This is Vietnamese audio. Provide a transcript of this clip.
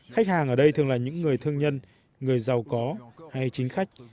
khách hàng ở đây thường là những người thương nhân người giàu có hay chính khách